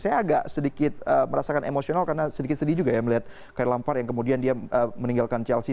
saya agak sedikit merasakan emosional karena sedikit sedih juga ya melihat khair lampar yang kemudian dia meninggalkan chelsea